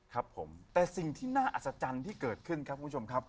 ครับผมแต่สิ่งที่น่าอัศจรรย์ที่เกิดขึ้นครับคุณผู้ชมครับ